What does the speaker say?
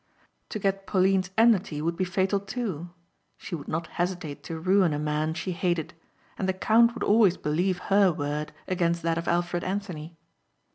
To get Pauline's enmity would be fatal, too. She would not hesitate to ruin a man she hated and the count would always believe her word against that of Alfred Anthony.